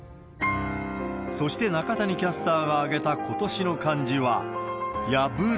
そして中谷キャスターが挙げた今年の漢字は破る。